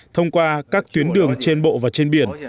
thông qua các tuyến đường trên bộ và trên biển